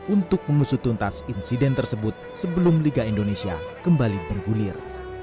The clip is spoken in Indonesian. untuk mengusutuntas insiden tersebut sebelum liga indonesia kembali bergulir